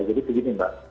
jadi begini mbak